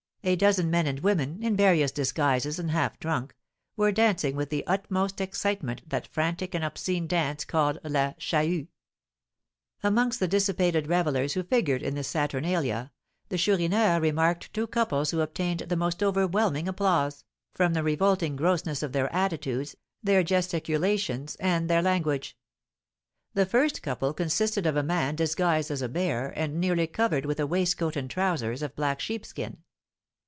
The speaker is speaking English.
a dozen men and women, in various disguises and half drunk, were dancing with the utmost excitement that frantic and obscene dance called La Chahut. Amongst the dissipated revellers who figured in this saturnalia, the Chourineur remarked two couples who obtained the most overwhelming applause, from the revolting grossness of their attitudes, their gesticulations, and their language. The first couple consisted of a man disguised as a bear, and nearly covered with a waistcoat and trousers of black sheepskin.